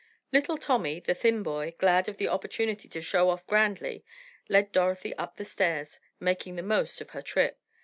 Little Tommy, the thin boy, glad of the opportunity to "show off" grandly led Dorothy up the stairs, making the most of the trip.